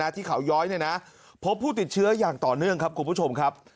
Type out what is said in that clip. ที่เขาย้อยพบผู้ติดเชื้ออย่างต่อเนื่องครับคุณผู้ชมครับ